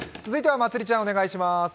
続いては、まつりちゃんお願いします。